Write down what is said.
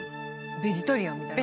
ベジタリアンみたいな。